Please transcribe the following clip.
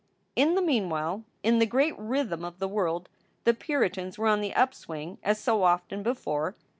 In the meanwhile, in the great rhythm of the world the Puritans were on the upswing as so often before.